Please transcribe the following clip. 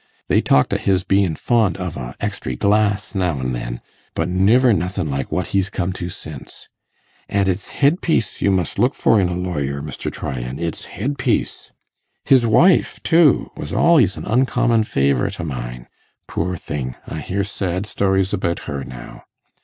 They talked of his bein' fond of a extry glass now an' then, but niver nothin' like what he's come to since. An' it's head piece you must look for in a lawyer, Mr. Tryan, it's head piece. His wife, too, was al'ys an uncommon favourite o' mine poor thing! I hear sad stories about her now.